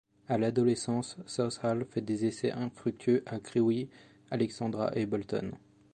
À l'adolescence, Southall fait des essais infructueux à Crewe Alexandra et Bolton.